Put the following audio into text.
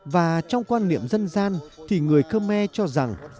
và trong quan niệm dân gian thì người khơ me cho rằng